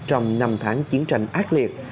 trong năm tháng chiến tranh ác liệt